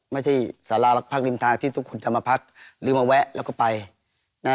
ไม่ใช่สารารักพักริมทางที่ทุกคนจะมาพักหรือมาแวะแล้วก็ไปนะ